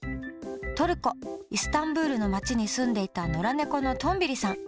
トルコ・イスタンブールの町に住んでいた野良猫のトンビリさん。